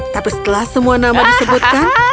tapi setelah semua nama disebutkan